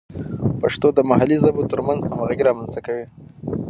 پښتو د محلي ژبو ترمنځ همغږي رامینځته کوي.